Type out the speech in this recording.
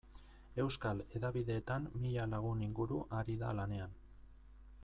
Euskal hedabideetan mila lagun inguru ari da lanean.